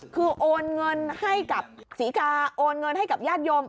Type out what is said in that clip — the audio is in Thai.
คือโอนเงินให้กับศรีกาโอนเงินให้กับญาติโยม